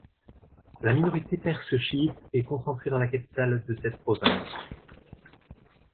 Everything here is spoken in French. La minorité perse chiite est concentrée dans la capitale de cette province.